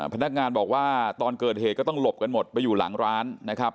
พนักงานบอกว่าตอนเกิดเหตุก็ต้องหลบกันหมดไปอยู่หลังร้านนะครับ